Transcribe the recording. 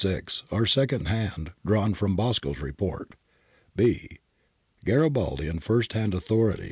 x& second hand, drawn from Bosco's report. B. Garibaldian first hand authorities, q.